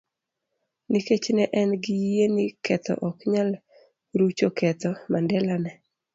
Nikech ne en gi yie ni ketho ok nyal rucho ketho, Mandela ne